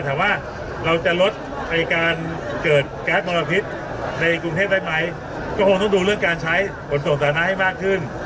แต่ว่าเราจะลดไอ้การเกิดแก๊สมลพิษในกรุงเทพได้ไหมก็คงต้องดูเรื่องการใช้ขนส่งสาธารณะให้มากขึ้น